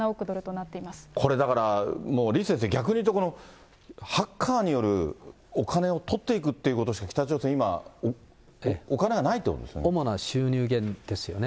これだからもう、李先生、逆にいうと、ハッカーによるお金をとっていくということしか北朝鮮今、お金が主な収入源ですよね。